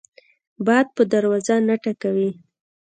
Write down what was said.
باد په دروازه نه ټکوي